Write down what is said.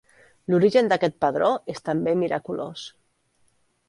L'origen d'aquest padró és també miraculós.